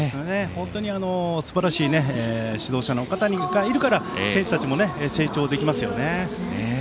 本当にすばらしい指導者の方がいるから選手たちも成長できますよね。